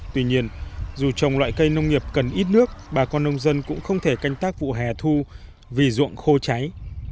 tuy nhiên dù trồng loại cây nông nghiệp cần ít nước bà con nông dân cũng không thể canh tác vụ hè thu vì ruộng khô cháy